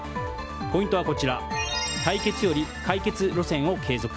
ポイントはこちら対決より解決路線を継続。